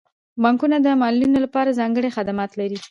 بانکونه د معلولینو لپاره ځانګړي خدمات لري.